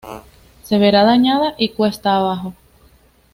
Se verá dañada y cuesta abajo.